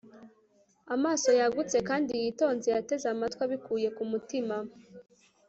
amaso yagutse kandi yitonze, yateze amatwi abikuye ku mutima